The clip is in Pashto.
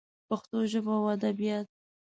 پښتو ژبه او ادبیات